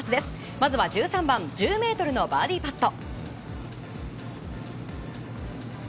まずは１３番１０ｍのバーディーパット。